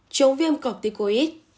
chống viêm corticoid